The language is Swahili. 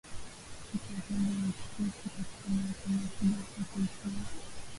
Siku ya kwanza ya kesi katika mahakama ya kijeshi huko Ituri